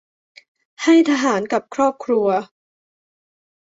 ให้ทหารกับครอบครัว